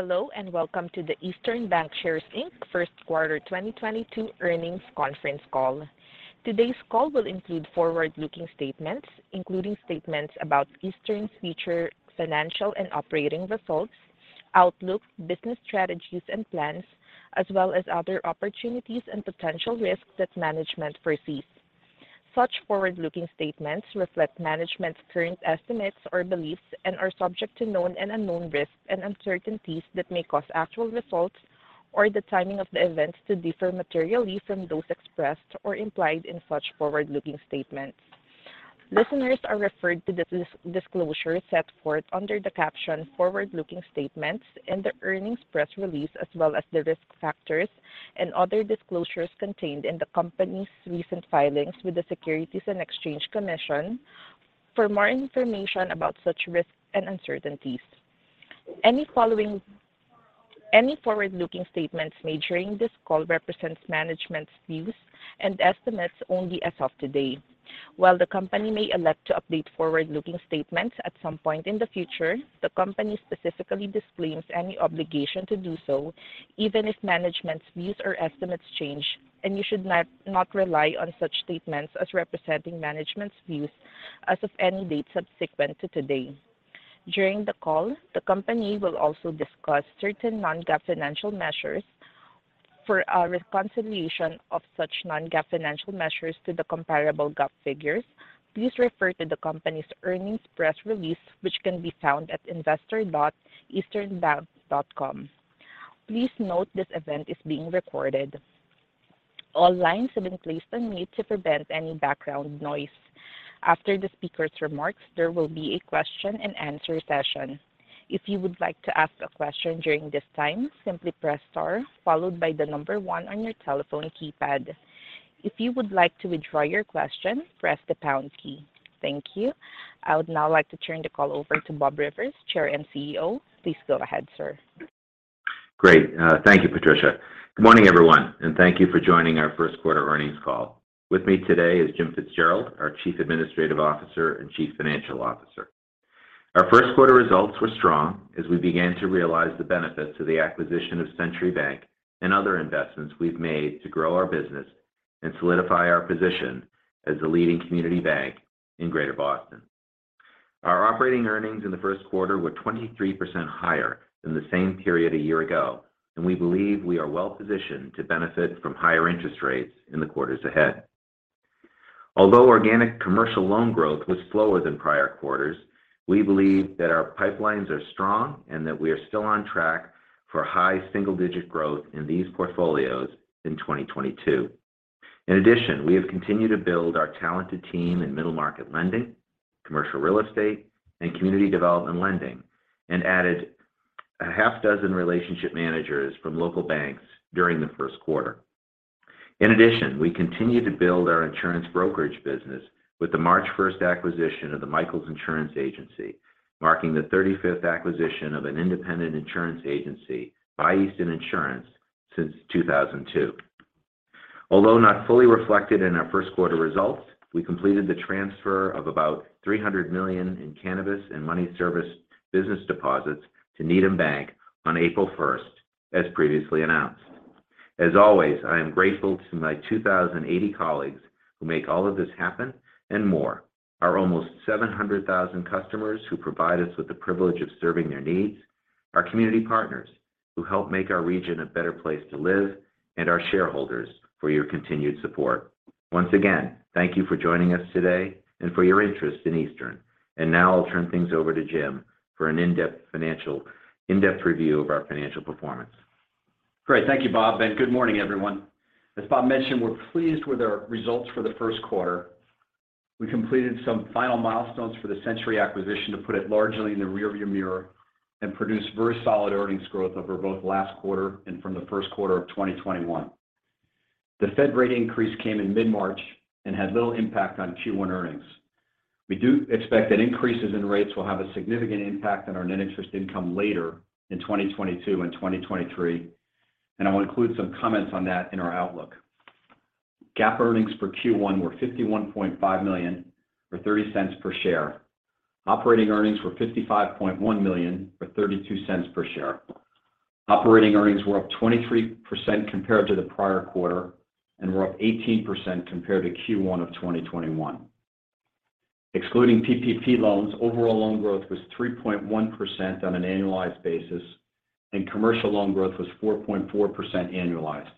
Hello, and welcome to the Eastern Bankshares, Inc. first quarter 2022 earnings conference call. Today's call will include forward-looking statements, including statements about Eastern's future financial and operating results, outlook, business strategies and plans, as well as other opportunities and potential risks that management foresees. Such forward-looking statements reflect management's current estimates or beliefs and are subject to known and unknown risks and uncertainties that may cause actual results or the timing of the events to differ materially from those expressed or implied in such forward-looking statements. Listeners are referred to disclosure set forth under the caption Forward-Looking Statements in the earnings press release, as well as the risk factors and other disclosures contained in the company's recent filings with the Securities and Exchange Commission for more information about such risks and uncertainties. Any forward-looking statements made during this call represents management's views and estimates only as of today. While the company may elect to update forward-looking statements at some point in the future, the company specifically disclaims any obligation to do so even if management's views or estimates change, and you should not rely on such statements as representing management's views as of any date subsequent to today. During the call, the company will also discuss certain non-GAAP financial measures. For a reconciliation of such non-GAAP financial measures to the comparable GAAP figures, please refer to the company's earnings press release which can be found at investor.easternbank.com. Please note this event is being recorded. All lines have been placed on mute to prevent any background noise. After the speaker's remarks, there will be a question and answer session. If you would like to ask a question during this time, simply press star followed by the number one on your telephone keypad. If you would like to withdraw your question, press the pound key. Thank you. I would now like to turn the call over to Bob Rivers, Chair and CEO. Please go ahead, sir. Great. Thank you, Patricia. Good morning, everyone, and thank you for joining our first quarter earnings call. With me today is Jim Fitzgerald, our Chief Administrative Officer and Chief Financial Officer. Our first quarter results were strong as we began to realize the benefits of the acquisition of Century Bank and other investments we've made to grow our business and solidify our position as the leading community bank in Greater Boston. Our operating earnings in the first quarter were 23% higher than the same period a year ago, and we believe we are well positioned to benefit from higher interest rates in the quarters ahead. Although organic commercial loan growth was slower than prior quarters, we believe that our pipelines are strong and that we are still on track for high single-digit growth in these portfolios in 2022. In addition, we have continued to build our talented team in middle market lending, commercial real estate, and community development lending, and added half-dozen relationship managers from local banks during the first quarter. In addition, we continue to build our insurance brokerage business with the March 1 acquisition of the Michals Insurance Agency, marking the 35th acquisition of an independent insurance agency by Eastern Insurance since 2002. Although not fully reflected in our first quarter results, we completed the transfer of about $300 million in cannabis and money service business deposits to Needham Bank on April 1, as previously announced. As always, I am grateful to my 2,080 colleagues who make all of this happen, and more. Our almost 700,000 customers who provide us with the privilege of serving their needs, our community partners who help make our region a better place to live, and our shareholders for your continued support. Once again, thank you for joining us today and for your interest in Eastern. Now I'll turn things over to Jim for an in-depth review of our financial performance. Great. Thank you, Bob, and good morning, everyone. As Bob mentioned, we're pleased with our results for the first quarter. We completed some final milestones for the Century acquisition to put it largely in the rearview mirror and produce very solid earnings growth over both last quarter and from the first quarter of 2021. The Fed rate increase came in mid-March and had little impact on Q1 earnings. We do expect that increases in rates will have a significant impact on our net interest income later in 2022 and 2023, and I will include some comments on that in our outlook. GAAP earnings for Q1 were $51.5 million or $0.30 per share. Operating earnings were $55.1 million or $0.32 per share. Operating earnings were up 23% compared to the prior quarter and were up 18% compared to Q1 of 2021. Excluding PPP loans, overall loan growth was 3.1% on an annualized basis, and commercial loan growth was 4.4% annualized.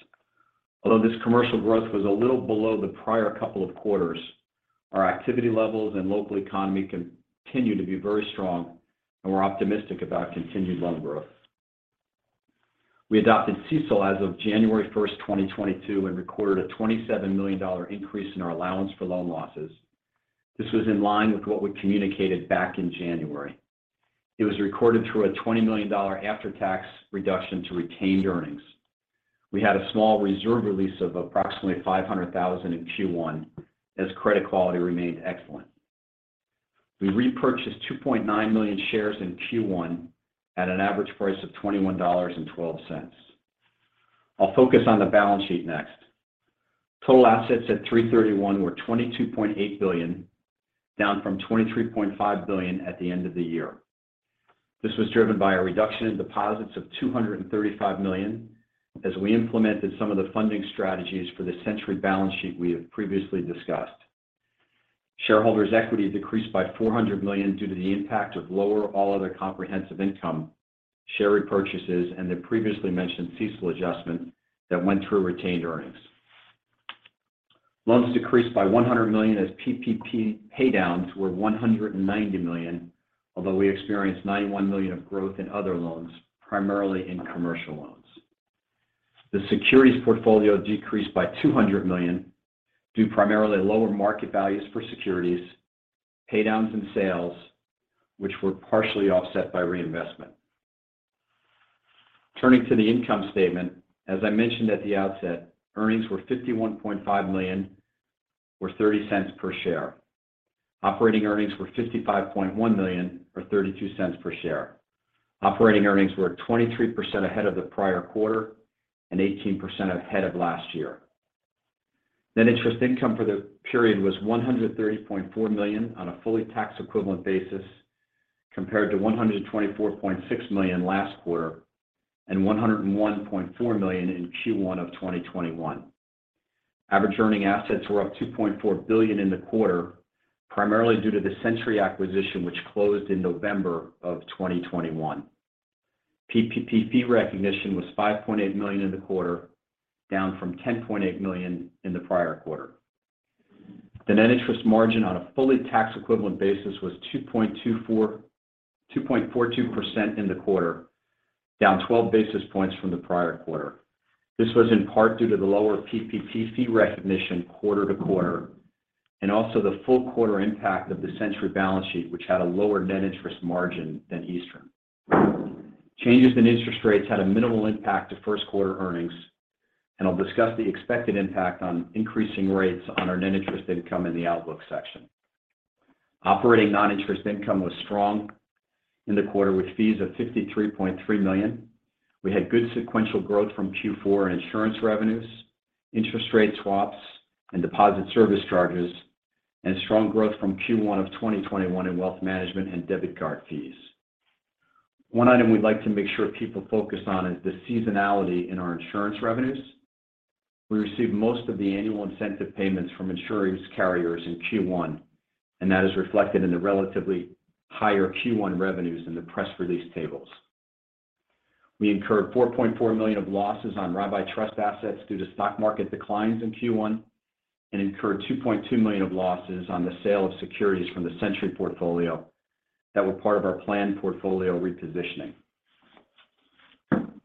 Although this commercial growth was a little below the prior couple of quarters, our activity levels and local economy continue to be very strong, and we're optimistic about continued loan growth. We adopted CECL as of January 1, 2022 and recorded a $27 million increase in our allowance for loan losses. This was in line with what we communicated back in January. It was recorded through a $20 million after-tax reduction to retained earnings. We had a small reserve release of approximately $500,000 in Q1 as credit quality remained excellent. We repurchased 2.9 million shares in Q1 at an average price of $21.12. I'll focus on the balance sheet next. Total assets at 3/31 were $22.8 billion, down from $23.5 billion at the end of the year. This was driven by a reduction in deposits of $235 million as we implemented some of the funding strategies for the Century balance sheet we have previously discussed. Shareholders' equity decreased by $400 million due to the impact of lower AOCI, share repurchases and the previously mentioned CECL adjustment that went through retained earnings. Loans decreased by $100 million as PPP paydowns were $190 million, although we experienced $91 million of growth in other loans, primarily in commercial loans. The securities portfolio decreased by $200 million due primarily to lower market values for securities, paydowns and sales, which were partially offset by reinvestment. Turning to the income statement, as I mentioned at the outset, earnings were $51.5 million or $0.30 per share. Operating earnings were $55.1 million or $0.32 per share. Operating earnings were 23% ahead of the prior quarter and 18% ahead of last year. Net interest income for the period was $130.4 million on a fully tax equivalent basis compared to $124.6 million last quarter and $101.4 million in Q1 of 2021. Average earning assets were up $2.4 billion in the quarter, primarily due to the Century acquisition, which closed in November of 2021. PPP fee recognition was $5.8 million in the quarter, down from $10.8 million in the prior quarter. The net interest margin on a fully tax equivalent basis was 2.42% in the quarter, down 12 basis points from the prior quarter. This was in part due to the lower PPP fee recognition quarter to quarter, and also the full quarter impact of the Century balance sheet, which had a lower net interest margin than Eastern. Changes in interest rates had a minimal impact to first quarter earnings, and I'll discuss the expected impact on increasing rates on our net interest income in the outlook section. Operating non-interest income was strong in the quarter with fees of $53.3 million. We had good sequential growth from Q4 in insurance revenues, interest rate swaps and deposit service charges, and strong growth from Q1 of 2021 in wealth management and debit card fees. One item we'd like to make sure people focus on is the seasonality in our insurance revenues. We receive most of the annual incentive payments from insurance carriers in Q1, and that is reflected in the relatively higher Q1 revenues in the press release tables. We incurred $4.4 million of losses on rabbi trust assets due to stock market declines in Q1 and incurred $2.2 million of losses on the sale of securities from the Century portfolio that were part of our planned portfolio repositioning.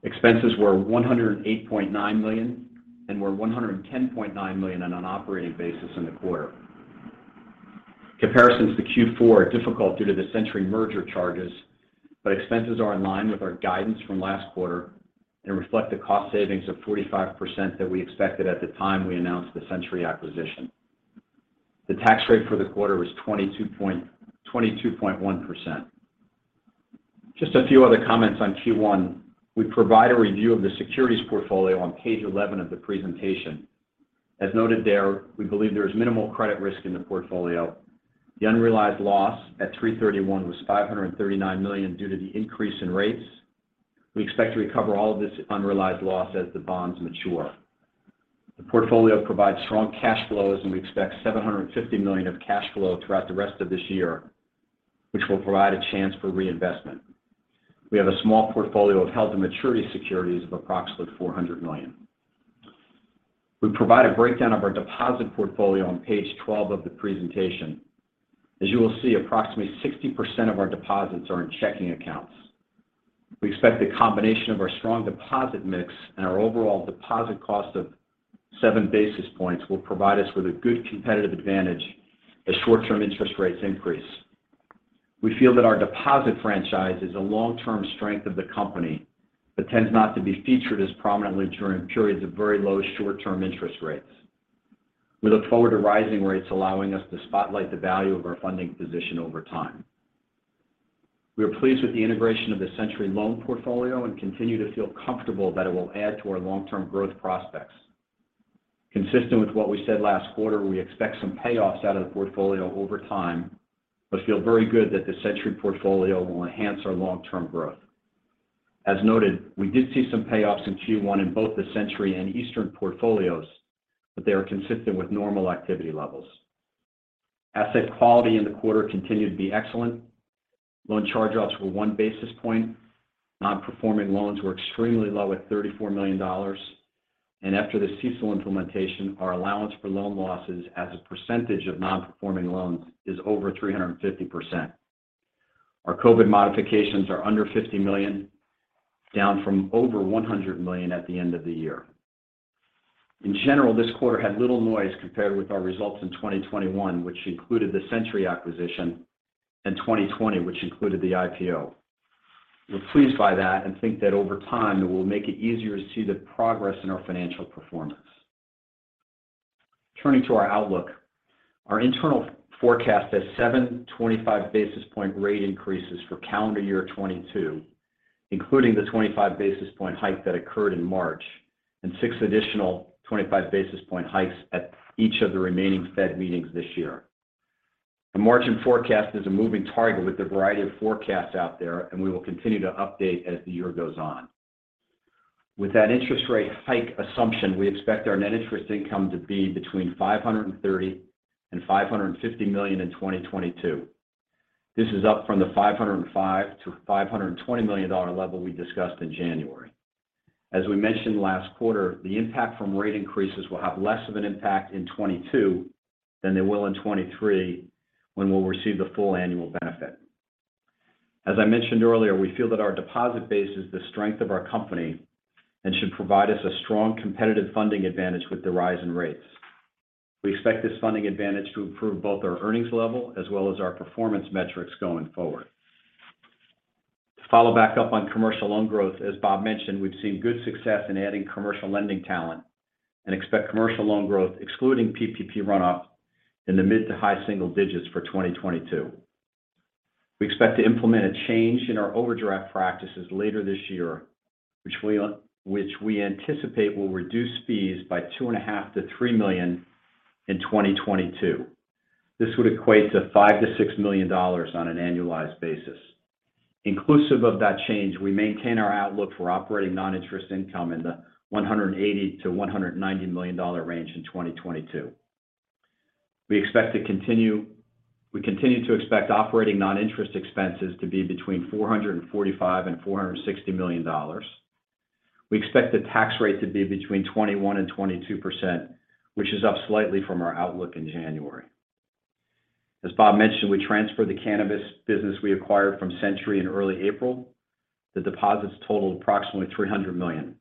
Expenses were $108.9 million and were $110.9 million on an operating basis in the quarter. Comparisons to Q4 are difficult due to the Century merger charges, but expenses are in line with our guidance from last quarter and reflect the cost savings of 45% that we expected at the time we announced the Century acquisition. The tax rate for the quarter was 22.1%. Just a few other comments on Q1. We provide a review of the securities portfolio on page 11 of the presentation. As noted there, we believe there is minimal credit risk in the portfolio. The unrealized loss at 3/31 was $539 million due to the increase in rates. We expect to recover all of this unrealized loss as the bonds mature. The portfolio provides strong cash flows, and we expect $750 million of cash flow throughout the rest of this year, which will provide a chance for reinvestment. We have a small portfolio of held-to-maturity securities of approximately $400 million. We provide a breakdown of our deposit portfolio on page 12 of the presentation. As you will see, approximately 60% of our deposits are in checking accounts. We expect the combination of our strong deposit mix and our overall deposit cost of seven basis points will provide us with a good competitive advantage as short-term interest rates increase. We feel that our deposit franchise is a long-term strength of the company that tends not to be featured as prominently during periods of very low short-term interest rates. We look forward to rising rates allowing us to spotlight the value of our funding position over time. We are pleased with the integration of the Century loan portfolio and continue to feel comfortable that it will add to our long-term growth prospects. Consistent with what we said last quarter, we expect some payoffs out of the portfolio over time, but feel very good that the Century portfolio will enhance our long-term growth. As noted, we did see some payoffs in Q1 in both the Century and Eastern portfolios, but they are consistent with normal activity levels. Asset quality in the quarter continued to be excellent. Loan charge-offs were 1 basis point. Non-performing loans were extremely low at $34 million. After the CECL implementation, our allowance for loan losses as a percentage of non-performing loans is over 350%. Our COVID modifications are under $50 million, down from over $100 million at the end of the year. In general, this quarter had little noise compared with our results in 2021, which included the Century acquisition, and 2020, which included the IPO. We're pleased by that and think that over time it will make it easier to see the progress in our financial performance. Turning to our outlook. Our internal forecast has seven 25 basis point rate increases for calendar year 2022, including the 25 basis point hike that occurred in March and six additional 25 basis point hikes at each of the remaining Fed meetings this year. The margin forecast is a moving target with the variety of forecasts out there, and we will continue to update as the year goes on. With that interest rate hike assumption, we expect our net interest income to be between $530 million and $550 million in 2022. This is up from the $505 million-$520 million level we discussed in January. As we mentioned last quarter, the impact from rate increases will have less of an impact in 2022 than they will in 2023, when we'll receive the full annual benefit. As I mentioned earlier, we feel that our deposit base is the strength of our company and should provide us a strong competitive funding advantage with the rise in rates. We expect this funding advantage to improve both our earnings level as well as our performance metrics going forward. To follow back up on commercial loan growth, as Bob mentioned, we've seen good success in adding commercial lending talent and expect commercial loan growth, excluding PPP runoff, in the mid- to high-single digits for 2022. We expect to implement a change in our overdraft practices later this year, which we anticipate will reduce fees by $2.5 million-$3 million in 2022. This would equate to $5 million-$6 million on an annualized basis. Inclusive of that change, we maintain our outlook for operating non-interest income in the $180 million-$190 million range in 2022. We continue to expect operating non-interest expenses to be between $445 million and $460 million. We expect the tax rate to be between 21% and 22%, which is up slightly from our outlook in January. As Bob mentioned, we transferred the cannabis business we acquired from Century in early April. The deposits totaled approximately $300 million.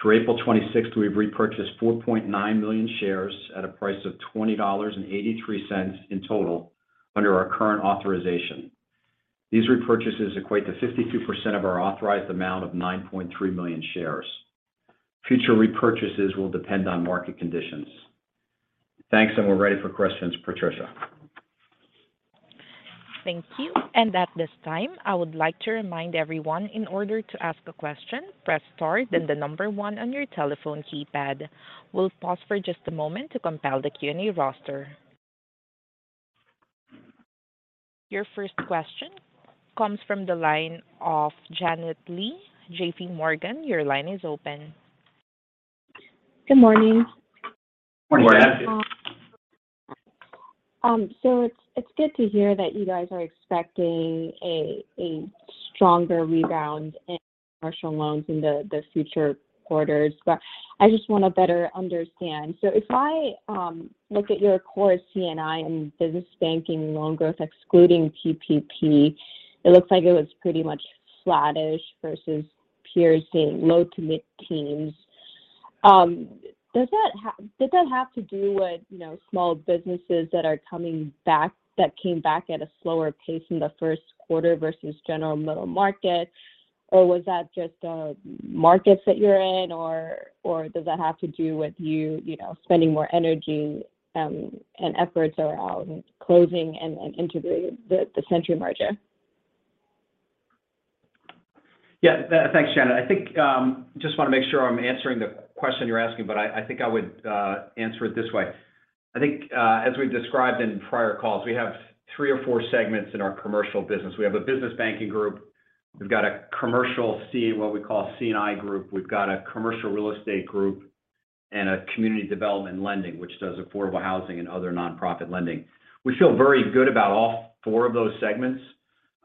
Through April 26, we've repurchased 4.9 million shares at a price of $20.83 in total under our current authorization. These repurchases equate to 52% of our authorized amount of 9.3 million shares. Future repurchases will depend on market conditions. Thanks, and we're ready for questions. Patricia. Thank you. At this time, I would like to remind everyone in order to ask a question, press star then the number one on your telephone keypad. We'll pause for just a moment to compile the Q&A roster. Your first question comes from the line of Janet Lee, JPMorgan. Your line is open. Good morning. Morning. It's good to hear that you guys are expecting a stronger rebound in commercial loans in the future quarters. I just want to better understand. If I look at your core C&I and business banking loan growth excluding PPP, it looks like it was pretty much flattish versus peers seeing low to mid-teens. Does that have to do with, you know, small businesses that came back at a slower pace in the first quarter versus general middle market? Or was that just markets that you're in or does that have to do with you know, spending more energy and efforts around closing and integrating the Century merger? Yeah. Thanks, Janet. I think just want to make sure I'm answering the question you're asking, but I think I would answer it this way. I think as we've described in prior calls, we have three or four segments in our commercial business. We have a business banking group. We've got a commercial C, what we call C&I group. We've got a commercial real estate group and a community development lending, which does affordable housing and other nonprofit lending. We feel very good about all four of those segments.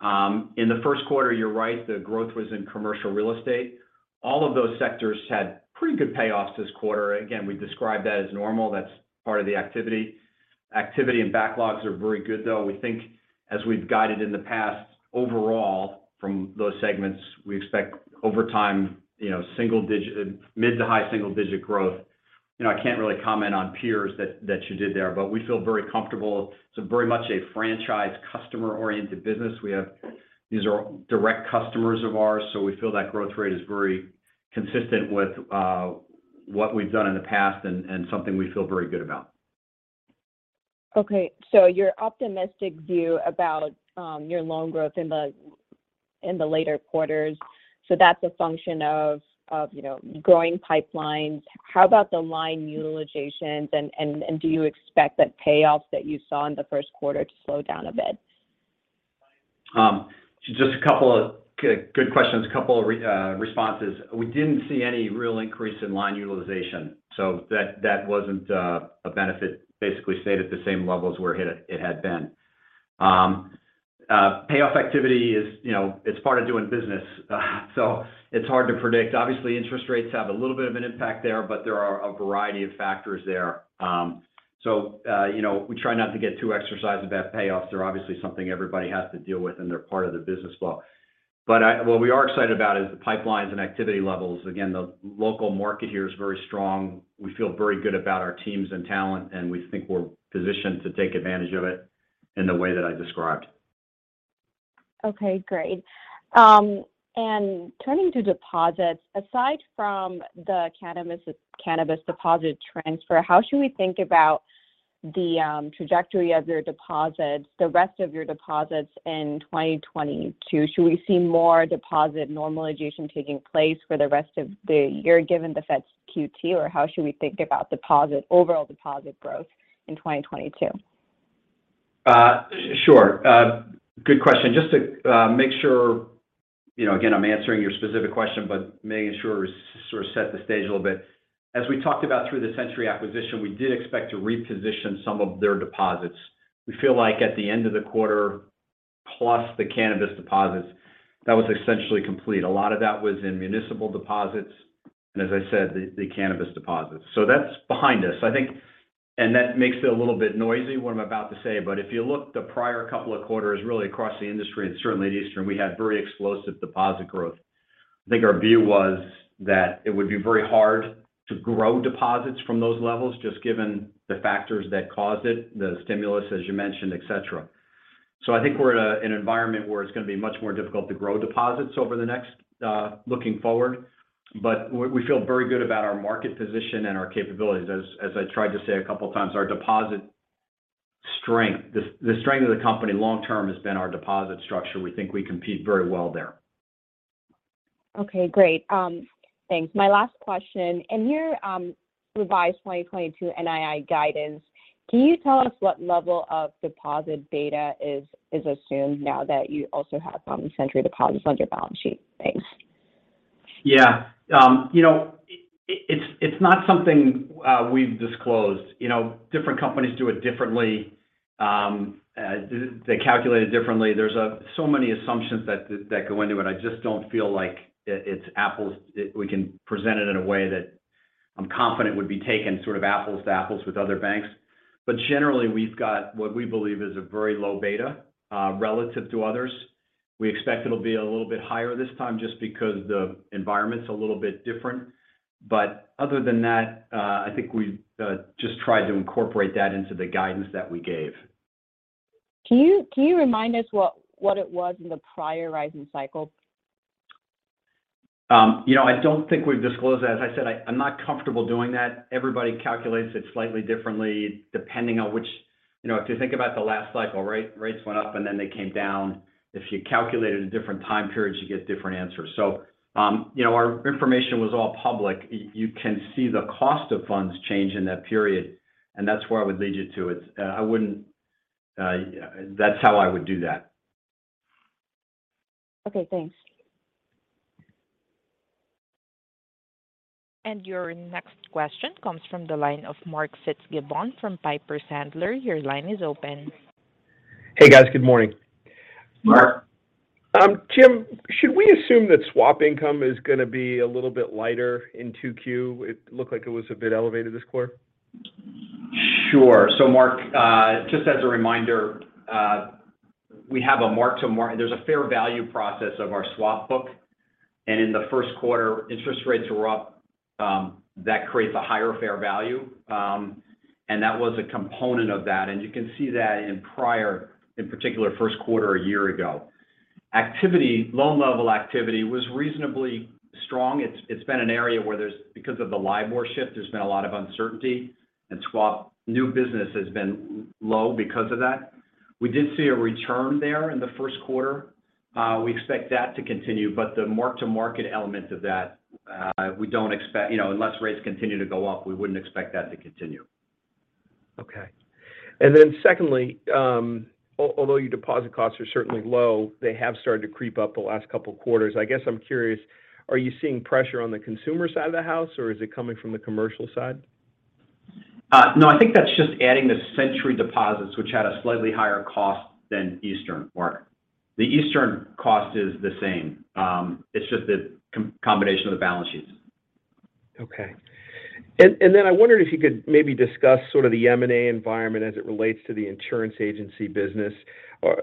In the first quarter, you're right. The growth was in commercial real estate. All of those sectors had pretty good payoffs this quarter. Again, we describe that as normal. That's part of the activity. Activity and backlogs are very good, though. We think as we've guided in the past overall from those segments, we expect over time, you know, single digit, mid-to-high single digit growth. You know, I can't really comment on peers that you did there, but we feel very comfortable. It's very much a franchise customer-oriented business. These are direct customers of ours, so we feel that growth rate is very consistent with what we've done in the past and something we feel very good about. Okay. Your optimistic view about your loan growth in the later quarters, that's a function of you know growing pipelines. How about the line utilizations and do you expect that payoffs that you saw in the first quarter to slow down a bit? Just a couple of good questions, a couple responses. We didn't see any real increase in line utilization, so that wasn't a benefit. Basically stayed at the same level as where it had been. Payoff activity is, you know, it's part of doing business. It's hard to predict. Obviously, interest rates have a little bit of an impact there, but there are a variety of factors there. You know, we try not to get too exercised about payoffs. They're obviously something everybody has to deal with, and they're part of the business flow. What we are excited about is the pipelines and activity levels. Again, the local market here is very strong. We feel very good about our teams and talent, and we think we're positioned to take advantage of it in the way that I described. Okay, great. Turning to deposits, aside from the cannabis deposit transfer, how should we think about the trajectory of your deposits, the rest of your deposits in 2022? Should we see more deposit normalization taking place for the rest of the year given the Fed's QT? How should we think about deposit, overall deposit growth in 2022? Sure. A good question. Just to make sure, you know, again, I'm answering your specific question, but making sure we sort of set the stage a little bit. As we talked about through the Century acquisition, we did expect to reposition some of their deposits. We feel like at the end of the quarter, plus the cannabis deposits, that was essentially complete. A lot of that was in municipal deposits and as I said, the cannabis deposits. So that's behind us, I think, and that makes it a little bit noisy, what I'm about to say. If you look the prior couple of quarters really across the industry, and certainly at Eastern, we had very explosive deposit growth. I think our view was that it would be very hard to grow deposits from those levels just given the factors that caused it, the stimulus, as you mentioned, et cetera. I think we're in an environment where it's going to be much more difficult to grow deposits over the next, looking forward. We feel very good about our market position and our capabilities. As I tried to say a couple of times, our deposit strength, the strength of the company long term has been our deposit structure. We think we compete very well there. Okay, great. Thanks. My last question. In your revised 2022 NII guidance, can you tell us what level of deposit beta is assumed now that you also have Century deposits on your balance sheet? Thanks. Yeah. You know, it's not something we've disclosed. You know, different companies do it differently. They calculate it differently. There's so many assumptions that go into it. I just don't feel like we can present it in a way that I'm confident would be taken sort of apples to apples with other banks. Generally, we've got what we believe is a very low beta relative to others. We expect it'll be a little bit higher this time just because the environment's a little bit different. Other than that, I think we've just tried to incorporate that into the guidance that we gave. Can you remind us what it was in the prior rising cycle? You know, I don't think we've disclosed that. As I said, I'm not comfortable doing that. Everybody calculates it slightly differently depending on which. You know, if you think about the last cycle, rates went up and then they came down. If you calculated different time periods, you get different answers. You know, our information was all public. You can see the cost of funds change in that period, and that's where I would lead you to. It's, I wouldn't, that's how I would do that. Okay, thanks. Your next question comes from the line of Mark Fitzgibbon from Piper Sandler. Your line is open. Hey, guys. Good morning. Mark. Jim, should we assume that swap income is going to be a little bit lighter in 2Q? It looked like it was a bit elevated this quarter. Sure. Mark, just as a reminder, we have a mark-to-market. There's a fair value process of our swap book. In the first quarter, interest rates were up, that creates a higher fair value, and that was a component of that. You can see that in prior, in particular, first quarter a year ago. Loan level activity was reasonably strong. It's been an area where there's, because of the LIBOR shift, there's been a lot of uncertainty, and swap new business has been low because of that. We did see a return there in the first quarter. We expect that to continue. The mark-to-market element of that, we don't expect. You know, unless rates continue to go up, we wouldn't expect that to continue. Okay. Secondly, although your deposit costs are certainly low, they have started to creep up the last couple of quarters. I guess I'm curious, are you seeing pressure on the consumer side of the house, or is it coming from the commercial side? No, I think that's just adding the Century deposits, which had a slightly higher cost than Eastern, Mark. The Eastern cost is the same. It's just the combination of the balance sheets. Okay. I wondered if you could maybe discuss sort of the M&A environment as it relates to the insurance agency business.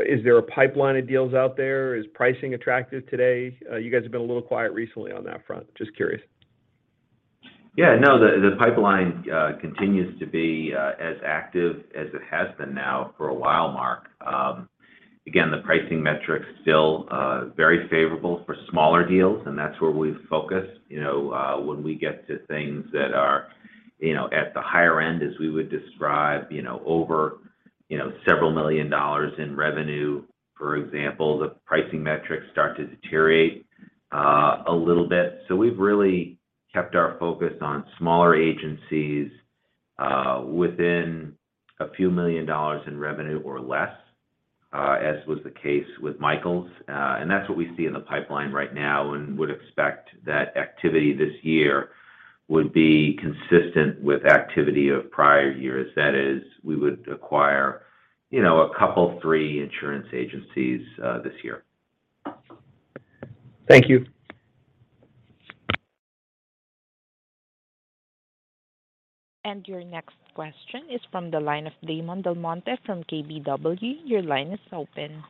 Is there a pipeline of deals out there? Is pricing attractive today? You guys have been a little quiet recently on that front. Just curious. The pipeline continues to be as active as it has been now for a while, Mark. Again, the pricing metrics still very favorable for smaller deals, and that's where we focus. You know, when we get to things that are you know at the higher end, as we would describe you know over you know several million dollars in revenue, for example, the pricing metrics start to deteriorate a little bit. We've really kept our focus on smaller agencies within a few million dollars in revenue or less as was the case with Michals. And that's what we see in the pipeline right now and would expect that activity this year would be consistent with activity of prior years. That is, we would acquire you know a couple, three insurance agencies this year. Thank you. Your next question is from the line of Damon DelMonte from KBW. Your line is open.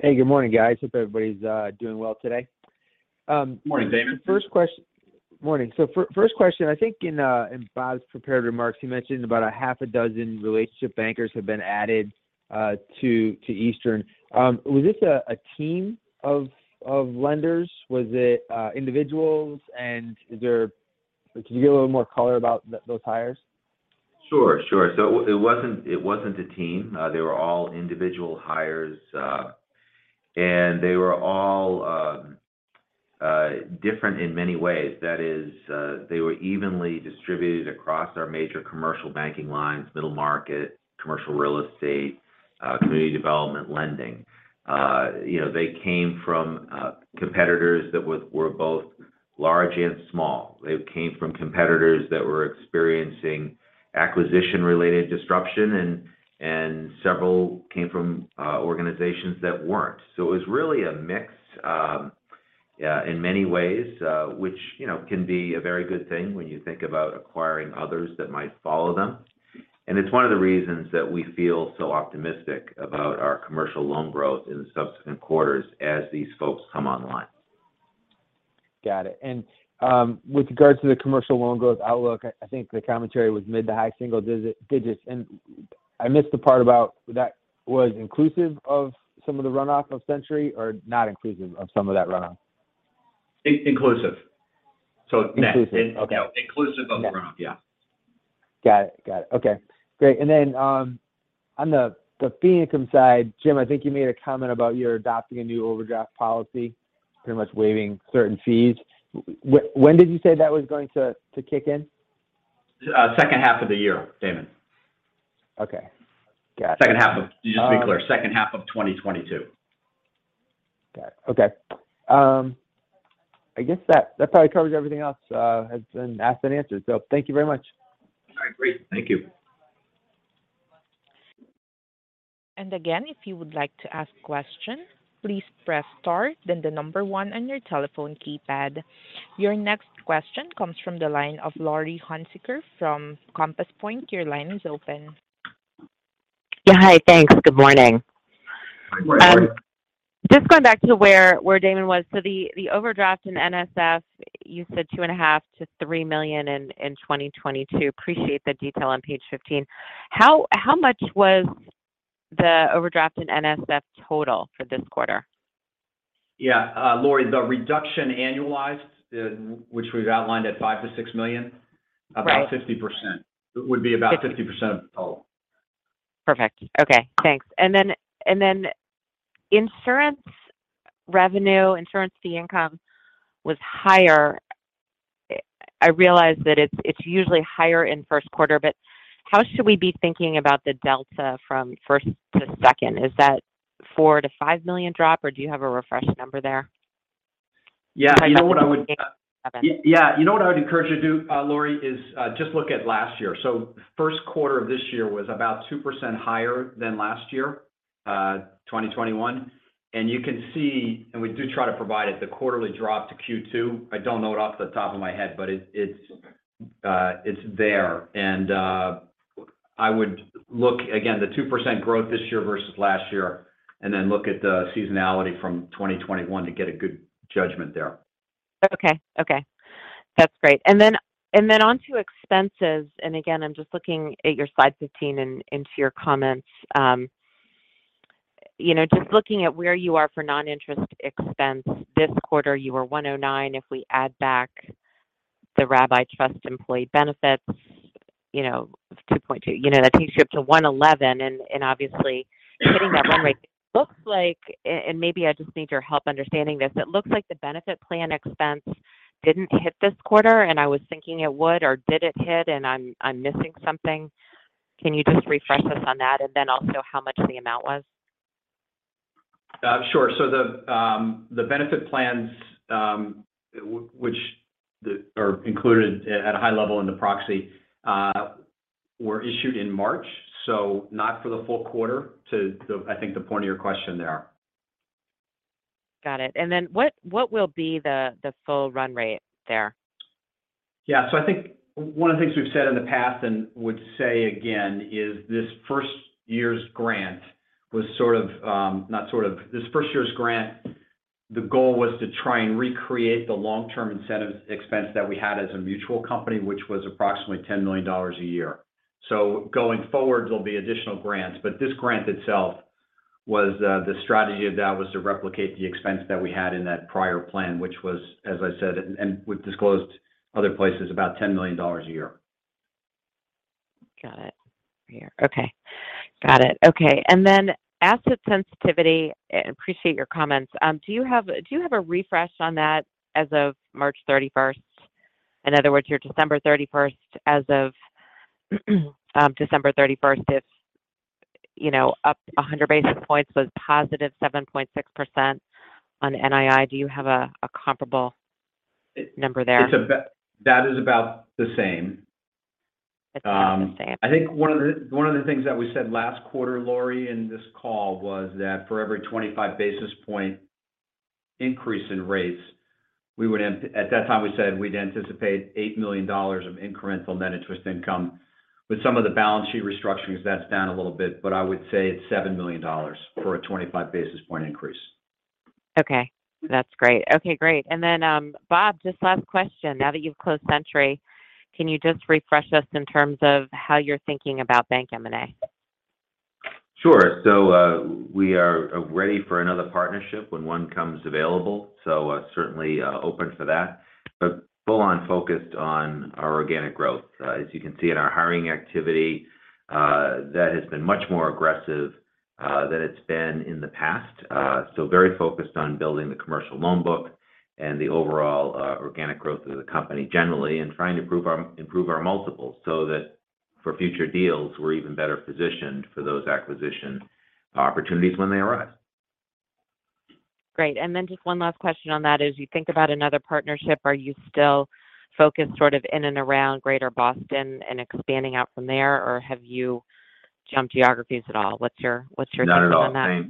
Hey, good morning, guys. Hope everybody's doing well today. Morning, Damon. First question, I think in Bob's prepared remarks, he mentioned about half a dozen relationship bankers have been added to Eastern. Was this a team of lenders? Was it individuals? And could you give a little more color about those hires? Sure. It wasn't a team. They were all individual hires, and they were all different in many ways. That is, they were evenly distributed across our major commercial banking lines, middle market, commercial real estate, community development lending. You know, they came from competitors that were both large and small. They came from competitors that were experiencing acquisition-related disruption and several came from organizations that weren't. It was really a mix in many ways, which you know can be a very good thing when you think about acquiring others that might follow them. It's one of the reasons that we feel so optimistic about our commercial loan growth in subsequent quarters as these folks come online. Got it. With regards to the commercial loan growth outlook, I think the commentary was mid to high single digits. I missed the part about that was inclusive of some of the runoff of Century or not inclusive of some of that runoff. Inclusive. Yes. Inclusive. Okay. Inclusive of the runoff. Yeah. Got it. Okay, great. Then, on the fee income side, Jim, I think you made a comment about you're adopting a new overdraft policy, pretty much waiving certain fees. When did you say that was going to kick in? Second half of the year, Damon. Okay. Got it. Just to be clear, second half of 2022. Okay. I guess that probably covers everything else that has been asked and answered. Thank you very much. All right. Great. Thank you. Again, if you would like to ask question, please press star then the number one on your telephone keypad. Your next question comes from the line of Laurie Hunsicker from Compass Point. Your line is open. Yeah. Hi. Thanks. Good morning. Good morning. Just going back to where Damon was. The overdraft and NSF, you said $2.5 million-$3 million in 2022. Appreciate the detail on page 15. How much was the overdraft and NSF total for this quarter? Yeah. Laurie, the reduction annualized, which we've outlined at $5 million-$6 million about 50%. Right. It would be about 50% of the total. Perfect. Okay, thanks. Insurance revenue, insurance fee income was higher. I realize that it's usually higher in first quarter, but how should we be thinking about the delta from first to second? Is that $4 million-$5 million drop, or do you have a refreshed number there? Yeah. You know what I would encourage you to do, Laurie, is just look at last year. First quarter of this year was about 2% higher than last year, 2021. You can see, and we do try to provide it, the quarterly drop to Q2. I don't know it off the top of my head, but it's there. I would look, again, the 2% growth this year versus last year, and then look at the seasonality from 2021 to get a good judgment there. Okay. That's great. Onto expenses, and again, I'm just looking at your slide 15 and into your comments. You know, just looking at where you are for non-interest expense. This quarter you were $109. If we add back the Rabbi Trust employee benefits, you know, $2.2. You know, that takes you up to $111. Obviously hitting that run rate looks like, and maybe I just need your help understanding this, it looks like the benefit plan expense didn't hit this quarter, and I was thinking it would, or did it hit and I'm missing something? Can you just refresh us on that, and then also how much the amount was? The benefit plans, which are included at a high level in the proxy, were issued in March, so not for the full quarter to I think the point of your question there. Got it. What will be the full run rate there? Yeah. I think one of the things we've said in the past and would say again is this first year's grant, the goal was to try and recreate the long-term incentive expense that we had as a mutual company, which was approximately $10 million a year. Going forward, there'll be additional grants. This grant itself was, the strategy of that was to replicate the expense that we had in that prior plan, which was, as I said, and we've disclosed other places, about $10 million a year. Got it. Yeah. Okay. Asset sensitivity, appreciate your comments. Do you have a refresh on that as of March 31? In other words, your December 31 as of December 31, you know, up 100 basis points was +7.6% on NII. Do you have a comparable number there? That is about the same. It's about the same. I think one of the things that we said last quarter, Laurie, in this call was that for every 25 basis point increase in rates, at that time, we said we'd anticipate $8 million of incremental net interest income. With some of the balance sheet restructurings, that's down a little bit, but I would say it's $7 million for a 25 basis point increase. Okay. That's great. Okay, great. Bob, just last question. Now that you've closed Century, can you just refresh us in terms of how you're thinking about bank M&A? Sure. We are ready for another partnership when one comes available, certainly open for that. Full on focused on our organic growth. As you can see in our hiring activity, that has been much more aggressive than it's been in the past. Very focused on building the commercial loan book and the overall organic growth of the company generally and trying to improve our multiples so that for future deals, we're even better positioned for those acquisition opportunities when they arise. Great. Just one last question on that. As you think about another partnership, are you still focused sort of in and around Greater Boston and expanding out from there, or have you jumped geographies at all? What's your take on that? Not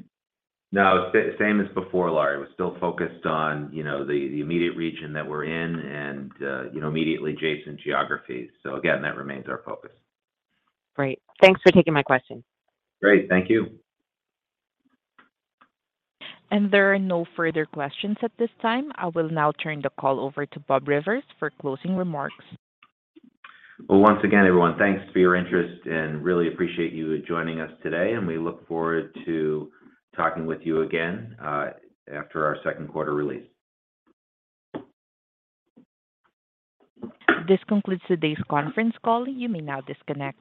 at all. Same. No. Same as before, Laurie. We're still focused on, you know, the immediate region that we're in and, you know, immediately adjacent geographies. Again, that remains our focus. Great. Thanks for taking my question. Great. Thank you. There are no further questions at this time. I will now turn the call over to Bob Rivers for closing remarks. Well, once again, everyone, thanks for your interest and really appreciate you joining us today, and we look forward to talking with you again after our second quarter release. This concludes today's conference call. You may now disconnect.